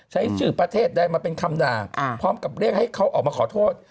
ใช้ชื่อประเทศใดมาเป็นคำด่าพร้อมกับเรียกให้เขาออกมาขอโทษ